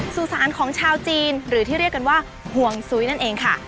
สู่สารของชาวจีนหรือที่เรียกกันว่าห่วงซุ้ยนั่นเองค่ะ